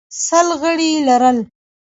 سل غړي یې لرل